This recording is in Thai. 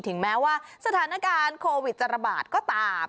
ถึงแม้ว่าสถานการณ์โควิดจะระบาดก็ตาม